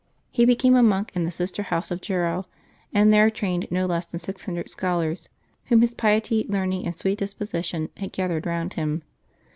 He became a monk in the sister house of Jarrow, and there trained no less than six hundred scholars, whom his piet)^, learning, and sweet disposition had gathered round him.